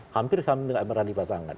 hampir tidak pernah dipasangkan